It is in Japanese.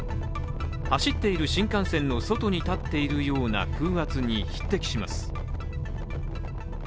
走っている新幹線の外に立っているような風圧に匹敵します。